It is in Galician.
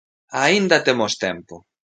Aínda temos tempo.